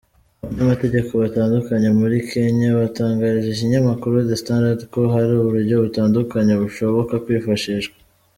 Abanyamategeko batandukanye muri Kenya batangarije ikinyamakuru The Standard ko hari uburyo butandukanye bushoboka kwifashishwa.